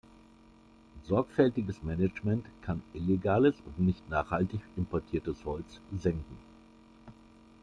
Sorgfältiges Management kann illegales und nicht nachhaltig importiertes Holz senken.